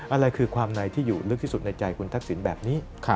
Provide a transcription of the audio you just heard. อะไรคือความในที่อยู่ลึกที่สุดในใจคุณทักษิณแบบนี้